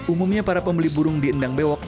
umumnya para pembeli burung di endang mbewok